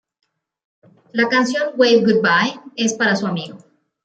La canción "Wave Goodbye" es para su amigo.